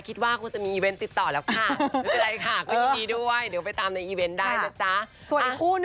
คิดว่าคงจะมีอีเวนต์ติดต่อแล้วค่ะ